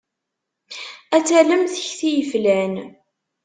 Ad talem tekti yeflan.